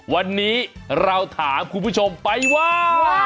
วันนี้เราถามคุณผู้ชมไปว่า